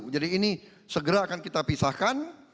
jadi ini segera akan kita pisahkan